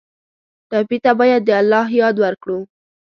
ټپي ته باید د الله یاد ورکړو.